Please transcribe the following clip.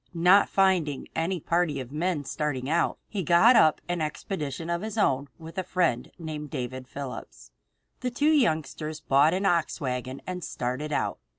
Not finding any party of men starting out, he got up an expedition of his own with a friend of his named David Phillips. The two youngsters bought an ox team wagon and started out.